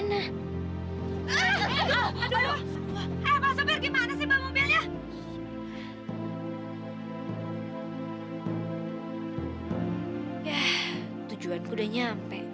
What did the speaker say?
yah tujuanku udah nyampe